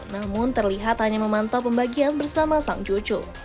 namun terlihat hanya memantau pembagian bersama sang cucu